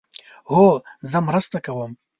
هو، زه مرسته کوم